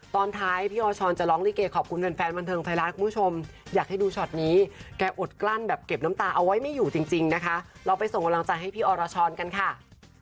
ตอนท้ายพี่อชรจะร้องลิเกขอบคุณแฟนบันเทิงไทยรัฐคุณผู้ชมอยากให้ดูช็อตนี้แกอดกลั้นแบบเก็บน้ำตาเอาไว้ไม่อยู่จริงนะคะเราไปส่งกำลังใจให้พี่อรชรกันค่ะ